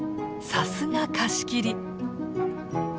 さすが貸し切り。